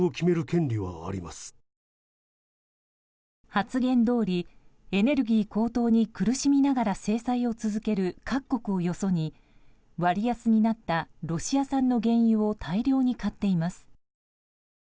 発言どおりエネルギー高騰に苦しみながら制裁を受ける各国をよそに割安になったロシア産の原油を大量に買っています。